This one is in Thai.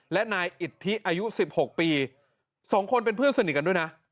และนายอิทธิอายุ๑๖ปี๒คนเป็นเพื่อนสนิทกันด้วยนะ